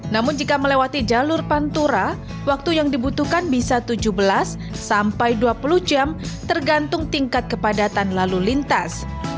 namun jika melewati jalur pantura waktu yang dibutuhkan bisa tujuh belas sampai dua puluh jam tergantung tingkat kepadatan lalu lintas